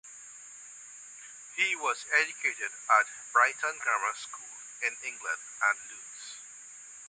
He was educated at Brighton Grammar School in England and Lewes.